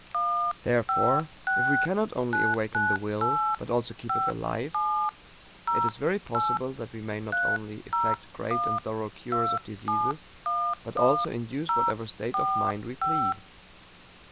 Therefore if we cannot only awaken the Will, but also keep it alive, it is very possible that we may not only effect great and thorough cures of diseases, but also induce whatever state of mind we please.